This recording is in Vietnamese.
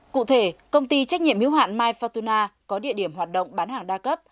cụ thể công ty trách nhiệm hiểu hoạn myfortuna có địa điểm hoạt động bán hàng đa cấp